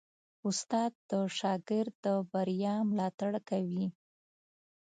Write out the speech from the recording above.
استاد د شاګرد د بریا ملاتړ کوي.